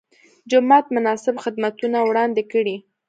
جومات مناسب خدمتونه وړاندې کړي.